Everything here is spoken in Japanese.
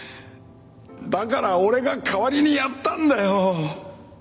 だから俺が代わりにやったんだよ！